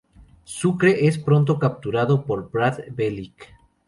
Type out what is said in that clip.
Sucre es pronto capturado por Brad Bellick.